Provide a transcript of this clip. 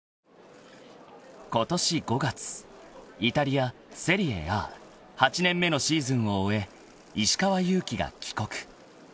［今年５月イタリアセリエＡ８年目のシーズンを終え石川祐希が帰国］